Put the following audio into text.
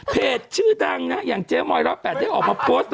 เพจชื่อดังนะอย่างเจ๊มอยร้อนแปดได้ออกมาโพสต์